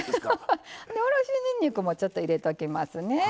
おろしにんにくもちょっと入れておきますね。